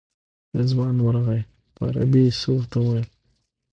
رضوان ورغی په عربي یې څه ورته وویل.